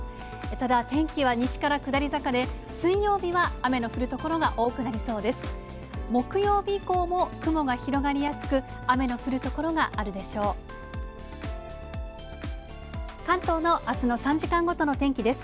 ただ、天気は西から下り坂で、水曜日は雨の降る所が多くなりそうです。